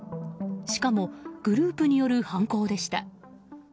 しかもグループによる犯行でした。